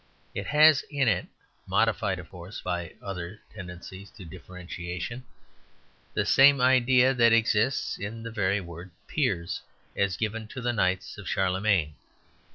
It has in it, modified of course, by other tendencies to differentiation, the same idea that exists in the very word "peers," as given to the knights of Charlemagne.